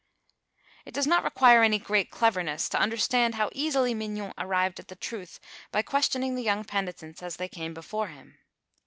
It does not require any great cleverness to understand how easily Mignon arrived at the truth by questioning the young penitents as they came before him.